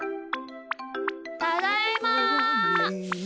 ただいま！